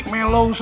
jangan lupain aku